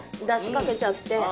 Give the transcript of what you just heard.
出汁かけちゃって。